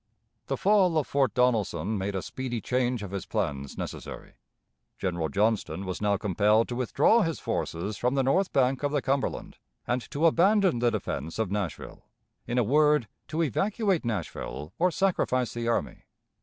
The fall of Fort Donelson made a speedy change of his plans necessary. General Johnston was now compelled to withdraw his forces from the north bank of the Cumberland, and to abandon the defense of Nashville; in a word, to evacuate Nashville or sacrifice the army.